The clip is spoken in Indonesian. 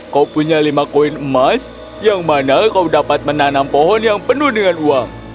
kau punya lima koin emas yang mana kau dapat menanam pohon yang penuh dengan uang